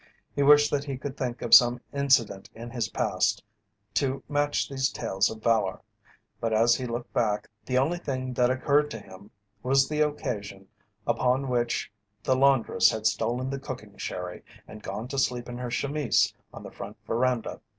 He wished that he could think of some incident in his past to match these tales of valour, but as he looked back the only thing that occurred to him was the occasion upon which the laundress had stolen the cooking sherry and gone to sleep in her chemise on the front veranda.